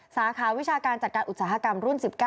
สาขาวิชาการจัดการอุตสาหกรรมรุ่น๑๙